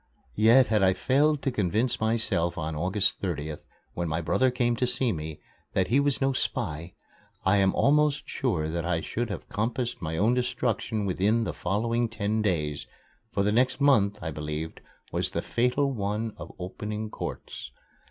Yet had I failed to convince myself on August 30th, when my brother came to see me, that he was no spy, I am almost sure that I should have compassed my own destruction within the following ten days, for the next month, I believed, was the fatal one of opening courts.